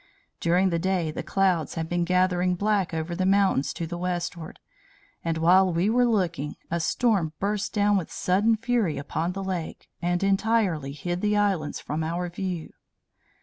During the day the clouds had been gathering black over the mountains to the westward, and while we were looking, a storm burst down with sudden fury upon the lake, and entirely hid the islands from our view.